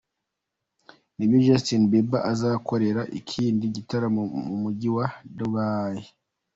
nibwo Justin Bieber azakorera ikindi gitaramo mu mujyi wa Dubaï.